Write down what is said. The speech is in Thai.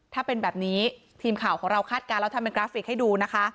ถ้าเป็นแบบนี้ทีมข่าวของเราคาดการณ์แล้วทำเป็นกราฟิกให้ดูนะคะ